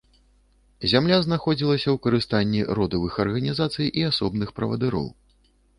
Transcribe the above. Зямля знаходзілася ў карыстанні родавых арганізацый і асобных правадыроў.